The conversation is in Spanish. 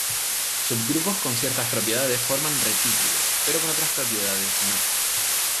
Subgrupos con ciertas propiedades forman retículos, pero con otras propiedades no.